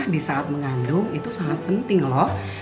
di saat mengandung itu sangat penting loh